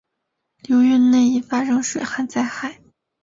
流域内易发生水旱灾害。